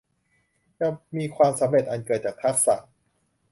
จะมีความสำเร็จอันเกิดจากทักษะ